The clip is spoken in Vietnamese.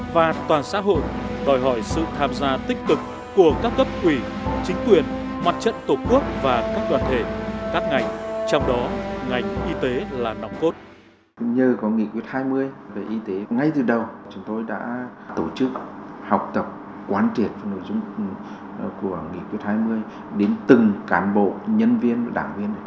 và toàn xã hội đòi hỏi sự tham gia tích cực của các cấp quỷ chính quyền mặt trận tổ quốc và các đoàn thể các ngành trong đó ngành y tế là đóng cốt